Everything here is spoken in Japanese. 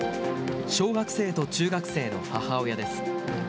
小学生と中学生の母親です。